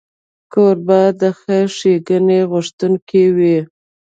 کوربه د خیر ښیګڼې غوښتونکی وي.